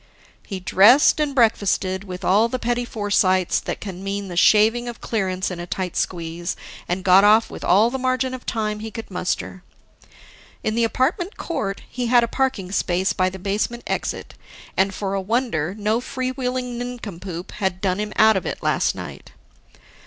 He dressed and breakfasted with all the petty foresights that can mean the shaving of clearance in a tight squeeze, and got off with all the margin of time he could muster. In the apartment court, he had a parking space by the basement exit and, for a wonder, no free wheeling nincompoop had done him out of it last night.